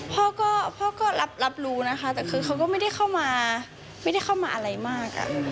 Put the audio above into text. พ่อก็รับรู้นะคะแต่คือเขาก็ไม่ได้เข้ามาอะไรมาก